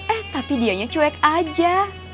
eh tapi dianya cuek aja